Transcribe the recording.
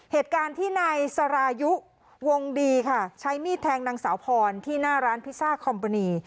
เหตุการณ์ที่นายสรายุวงดีค่ะใช้มีดแทงนางสาวพรที่หน้าร้านพิซซ่าคอมโบนี